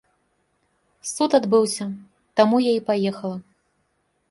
Суд адбыўся, таму я і паехала.